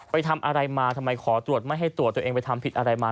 ไปทำอะไรมาทำไมขอตรวจไม่ให้ตรวจตัวเองไปทำผิดอะไรมา